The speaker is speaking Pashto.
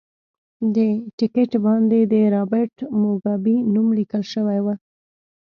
د ټکټ باندې د رابرټ موګابي نوم لیکل شوی و.